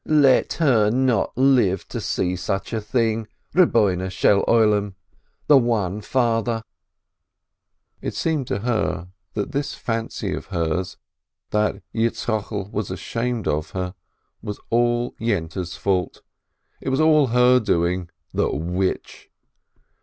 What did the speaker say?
"Let her not live to see such a thing, Lord of the World, the One Father !" It seemed to her that this fancy of hers, that Yitz chokel was ashamed of her, was all Yente's fault, it was all her doing, the witch!